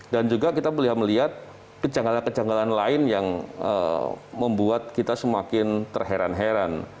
dan juga kita bisa melihat kejanggalan kejanggalan lain yang membuat kita semakin terheran heran